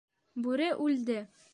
Бүре үлде!